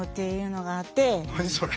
何それ？